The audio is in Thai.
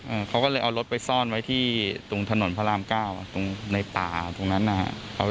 อ่าเขาก็เลยเอารถไปซ่อนไว้ที่ตรงถนนพระรามเก้าอ่ะตรงในป่าตรงนั้นนะฮะ